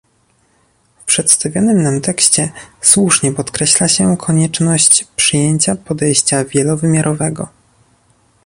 W przedstawionym nam tekście słusznie podkreśla się konieczność przyjęcia podejścia wielowymiarowego